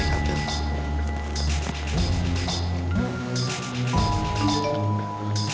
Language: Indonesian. terima kasih lex